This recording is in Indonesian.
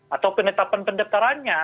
atau penetapan pendekarannya